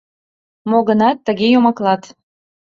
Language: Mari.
Мо-гынат, тыге йомаклат.